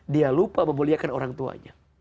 dia lupa memuliakan orang tuanya